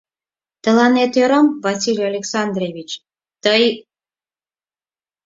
Тыланетат ӧрам, Василий Александрович, тый?..